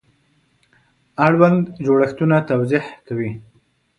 اړوند جوړښتونه توضیح کوي.